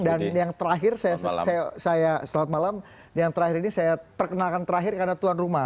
dan yang terakhir saya perkenalkan terakhir karena tuan rumah